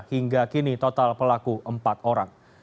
hingga kini total pelaku empat orang